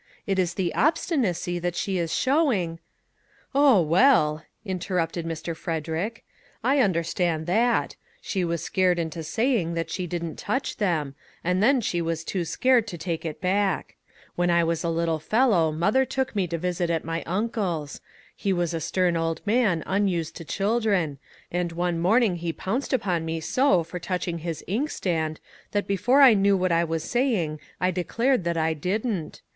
It is the obstinacy that she is showing "" Oh, well," interrupted Mr. Frederick, " I understand that; she was scared into saying that she didn't touch them; and then she was too scared to take it back. When I was a little fellow mother took me to visit at my uncle's. He was a stern old man unused to children, and one morning he pounced upon me so for touch ing his ink stand that before I knew what I was saying, I declared that I didn't.